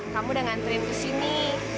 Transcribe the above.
kamu udah ngantriin di sini